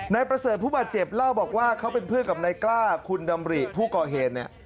นายประเสริฐผู้บาดเจ็บเล่าบอกว่าเขาเป็นเพื่อนกับนายกล้าคุณดำริผู้ก่อเหตุเนี่ย